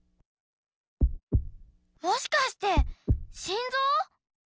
もしかして心臓！？